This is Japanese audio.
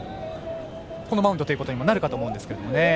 このマウンドということにもなるかと思うんですけどね。